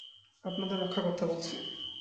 আপনাদের রক্ষাকর্তা বলছি।